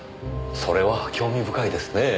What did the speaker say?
それは興味深いですね。